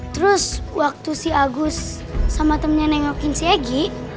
terus waktu si agus sama temennya nengokin si egy